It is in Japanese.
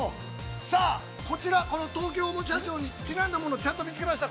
さあ、こちら、この東京おもちゃショーにちなんだもの、見つけました。